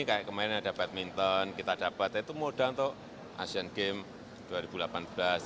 kayak kemarin ada badminton kita dapat itu moda untuk asian games dua ribu delapan belas